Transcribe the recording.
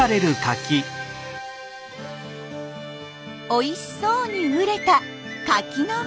おいしそうに熟れたカキの実。